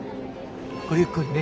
ごゆっくりね。